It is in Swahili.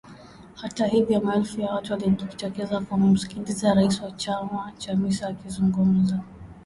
Hata hivyo maelfu ya watu waliojitokeza kumsikiliza rais wa chama Chamisa akizungumza